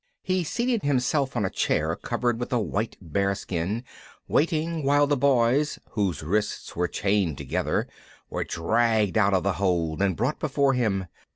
He seated himself on a chair covered with a white bearskin, waiting while the Boys, whose wrists were chained together, were dragged out of the hold and brought before him.